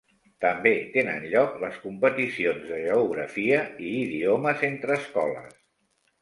També tenen lloc les competicions de geografia i idiomes entre escoles.